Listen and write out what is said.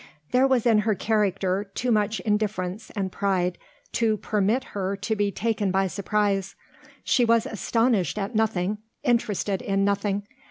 There was in her character too much indifference and pride to permit her to be taken by surprise. She was astonished at nothing, interested in nothing.